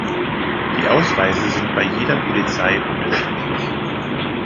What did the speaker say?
Die Ausweise sind bei jeder Polizei unterschiedlich.